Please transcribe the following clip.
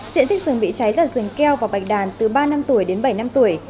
diện tích rừng bị cháy là rừng keo và bạch đàn từ ba năm tuổi đến bảy năm tuổi